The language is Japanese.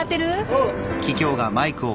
おう！